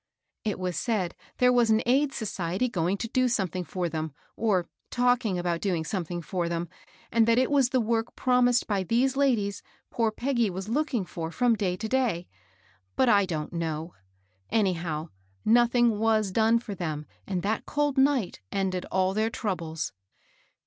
" It was said there was an aid society going to do something for them, or talking about doing DIED AT HER POST !. 159 something for them, and that it was the work promised by these ladies poor Peggy was looking for from day to day ; but I don't know. Anyhow nothing was done for them, and that cold night ended all their troubles.